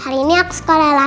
hari ini aku sekolah lagi ya